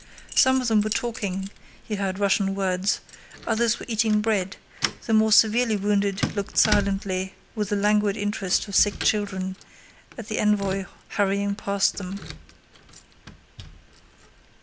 Some of them were talking (he heard Russian words), others were eating bread; the more severely wounded looked silently, with the languid interest of sick children, at the envoy hurrying past them.